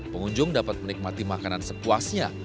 pengunjung dapat menikmati makanan sepuasnya